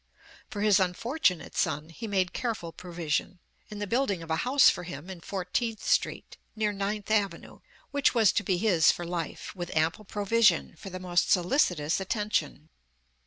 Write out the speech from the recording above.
For his unfortunate son he made careful provision, — in the building of a house for him in Fourteenth Street, near Ninth Avenue, which was to be his for life, with ample provision for the most solicitous attention.